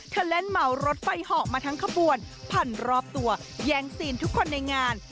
เล่นเหมารถไฟเหาะมาทั้งขบวนพันรอบตัวแย่งซีนทุกคนในงาน